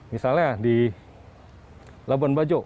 misalnya di labuan bajo